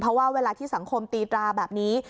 เพราะว่าเวลาที่สังคมตีตราแบบนี้